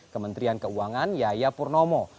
kementerian keuangan yaya purnomo